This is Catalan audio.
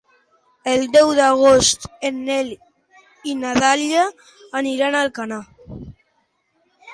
El deu d'agost en Nel i na Dàlia aniran a Alcanar.